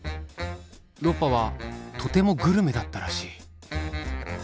ロッパはとてもグルメだったらしい。